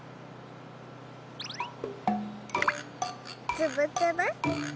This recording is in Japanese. つぶつぶ。